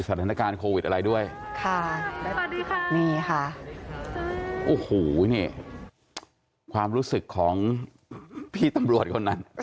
สถานการณ์โควิดอะไรด้วยค่ะสวัสดีค่ะนี่ค่ะโอ้โหนี่ความรู้สึกของพี่ตำรวจคนนั้น